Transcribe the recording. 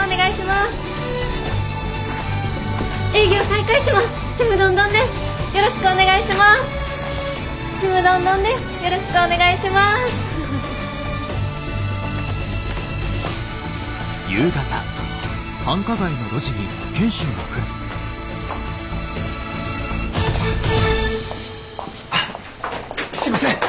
すいません。